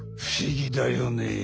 不思議だよね。